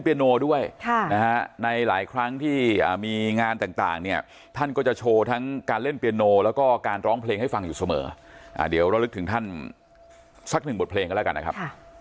ในหลายครั้งที่มีงานต่างเนี่ยท่านก็จะโชว์ทั้งการเล่นเปียโนแล้วก็การร้องเพลงให้ฟังอยู่เสมอเดี๋ยวระลึกถึงท่านสักหนึ่งบทเพลงกันแล้วกันนะครับ